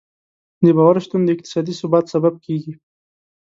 د باور شتون د اقتصادي ثبات سبب کېږي.